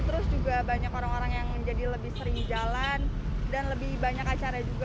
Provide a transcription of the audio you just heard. terus juga banyak orang orang yang menjadi lebih sering jalan dan lebih banyak acara juga